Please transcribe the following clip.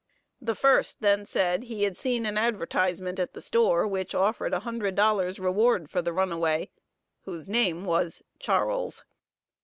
The first then said he had seen an advertisement at the store, which offered a hundred dollars reward for the runaway, whose name was Charles.